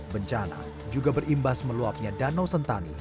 bencana juga berimbas meluapnya danau sentani